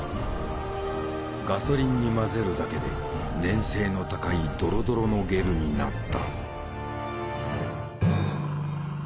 ガソリンに混ぜるだけで粘性の高いドロドロのゲルになった。